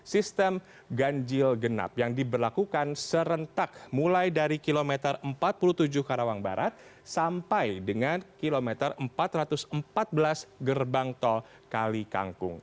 sistem ganjil genap yang diberlakukan serentak mulai dari kilometer empat puluh tujuh karawang barat sampai dengan kilometer empat ratus empat belas gerbang tol kali kangkung